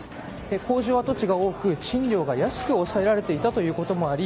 工場跡地が多く賃料が安く抑えられていたということもあり